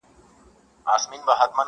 چي عطار هر څه شکري ورکولې؛